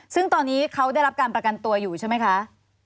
ซึ่งตอนนี้เขาได้รับการประกันตัวอยู่ใช่ไหมคะ